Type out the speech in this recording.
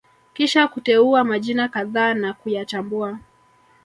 kisha kuteua majina kadhaa na kuyachambua